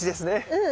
うん。